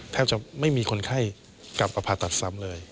แทบจะไม่มีคนไข้กลับประผัติศัพท์ซ้ำเลย